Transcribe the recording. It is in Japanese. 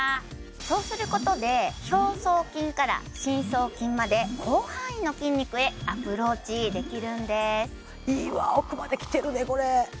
そうすることで表層筋から深層筋まで広範囲の筋肉へアプローチできるんですいいわあ奥まできてるね